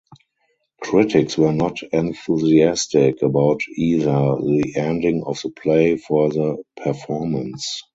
Critics were not enthusiastic about either the ending of the play or the performance.